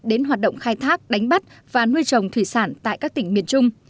đến hoạt động khai thác đánh bắt và nuôi trồng thủy sản tại các tỉnh miền trung